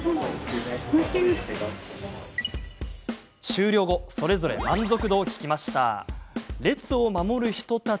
終了後それぞれ満足度を聞きました。